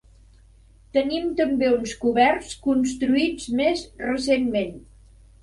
Tenim també uns coberts construïts més recentment.